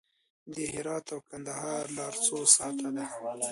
د هرات او کندهار لاره څو ساعته ده؟